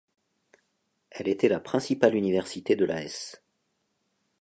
Elle était la principale université de la Hesse.